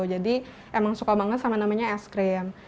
jadi emang suka banget sama namanya es krim